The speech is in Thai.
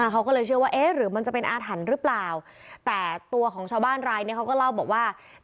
เขาก็เลยเชื่อว่าเอ๊ะหรือมันจะเป็นอาถรรพ์หรือเปล่า